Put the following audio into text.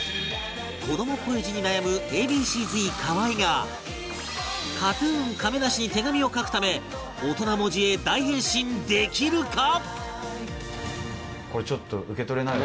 子どもっぽい字に悩む Ａ．Ｂ．Ｃ−Ｚ 河合が ＫＡＴ−ＴＵＮ 亀梨に手紙を書くため大人文字へ大変身できるか！？